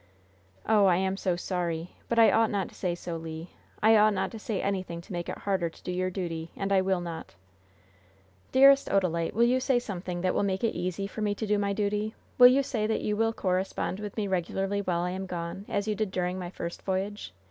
"Oh, I am so sorry! But I ought not to say so, Le. I ought not to say anything to make it harder to do your duty, and I will not." "Dearest Odalite, will you say something that will make it easy for me to do my duty? Will you say that you will correspond with me regularly while I am gone, as you did during my first voyage?